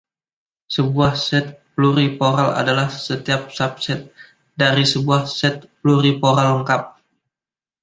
Sebuah "set pluriporal" adalah setiap subset dari sebuah set pluripolar lengkap.